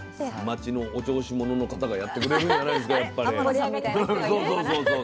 町のお調子者の方がやってくれるんじゃないですかやっぱり。